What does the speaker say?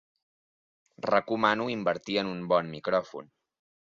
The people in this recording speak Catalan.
Recomano invertir en un bon micròfon.